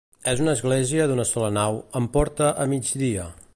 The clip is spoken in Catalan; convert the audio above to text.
És una església d'una sola nau, amb porta a migdia.